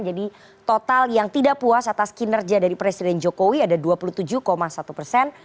jadi total yang tidak puas atas kinerja dari presiden jokowi ada dua puluh tujuh satu persen